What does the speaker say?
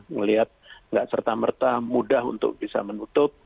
melihat nggak serta merta mudah untuk bisa menutup